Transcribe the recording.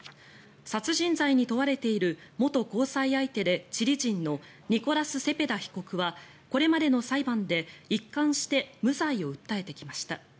殺人罪に問われている元交際相手でチリ人のニコラス・セペダ被告はこれまでの裁判で一貫して無罪を訴えてきました。